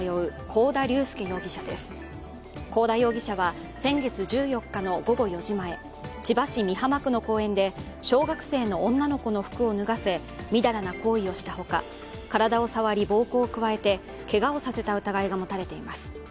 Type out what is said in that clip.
幸田容疑者は、先月１４日の午後４時前、千葉市美浜区の公園で小学生の女の子の服を脱がせ、みだらな行為をしたほか、体を触り暴行を加えてけがをさせた疑いが持たれています。